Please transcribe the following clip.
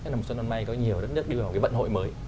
năm xuân mùa mai có nhiều đất nước đi vào một cái vận hội mới